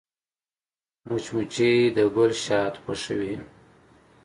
مچمچۍ د ګل شات خوښوي